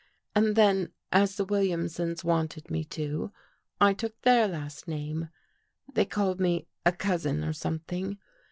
And then, as the Williamsons wanted me to, I took their last name. They called me a cousin or something.